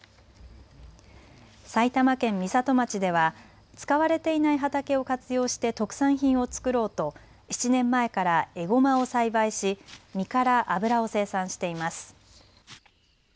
埼玉県美里町では使われていない畑を活用して特産品を作ろうと７年前からエゴマを栽培し実から油を生産しています。